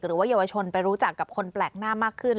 หรือว่าเยาวชนไปรู้จักกับคนแปลกหน้ามากขึ้น